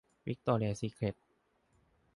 - วิคตอเรียซีเคร็ท